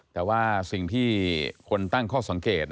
แต่ว่าสิ่งที่คนตั้งข้อสังเกต